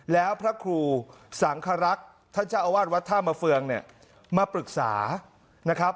แล้วพระครูสังครักษ์ท่านเจ้าอาวาสวัดท่ามาเฟืองเนี่ยมาปรึกษานะครับ